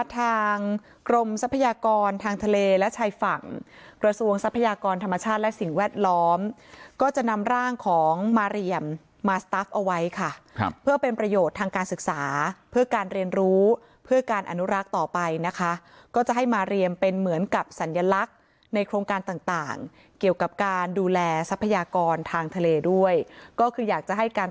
ทางกรมทรัพยากรทางทะเลและชายฝั่งกระทรวงทรัพยากรธรรมชาติและสิ่งแวดล้อมก็จะนำร่างของมาเรียมมาสตาฟเอาไว้ค่ะครับเพื่อเป็นประโยชน์ทางการศึกษาเพื่อการเรียนรู้เพื่อการอนุรักษ์ต่อไปนะคะก็จะให้มาเรียมเป็นเหมือนกับสัญลักษณ์ในโครงการต่างต่างเกี่ยวกับการดูแลทรัพยากรทางทะเลด้วยก็คืออยากจะให้การ